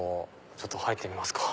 ちょっと入ってみますか。